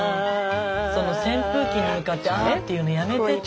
その扇風機に向かってアーっていうのやめてちょうだい。